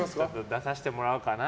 出させてもらおうかな。